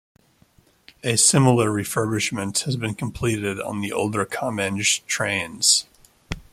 A similar refurbishment has been completed on the older Comeng trains.